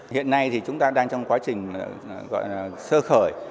hiện nay thì chúng ta đang trong quá trình sơ khởi